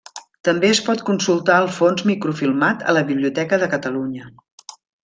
També es pot consultar el fons microfilmat a la Biblioteca de Catalunya.